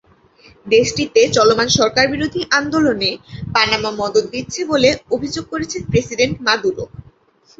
দেশটিতে চলমান সরকারবিরোধী আন্দোলনে পানামা মদদ দিচ্ছে বলে অভিযোগ করেছেন প্রেসিডেন্ট মাদুরো।